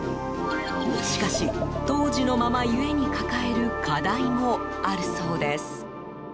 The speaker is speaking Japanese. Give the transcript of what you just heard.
しかし、当時のままゆえに抱える課題もあるそうです。